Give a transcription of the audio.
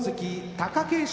・貴景勝